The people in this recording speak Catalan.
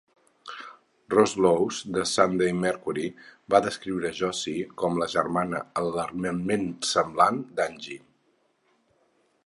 Roz Laws del Sunday Mercury va descriure Josie com la germana alarmantment semblant d'Angie.